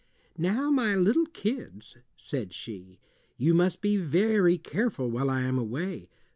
"Now, my little kids," said she, "you must be very careful while I am away.